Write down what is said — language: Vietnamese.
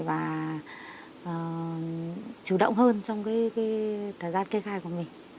và chủ động hơn trong thời gian kê khai của mình